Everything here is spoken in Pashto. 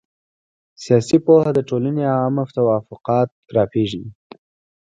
سياسي پوهه د ټولني عامه توافقات را پېژني.